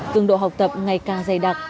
cường độ học tập ngày càng dày đặc